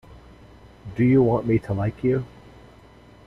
Do you want me to like you?